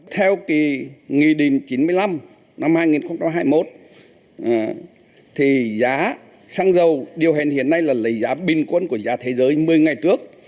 theo cái nghị định chín mươi năm năm hai nghìn hai mươi một thì giá xăng dầu điều hành hiện nay là lấy giá bình quân của giá thế giới một mươi ngày trước